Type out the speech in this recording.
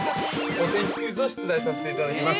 お天気クイズを出題させていただきます。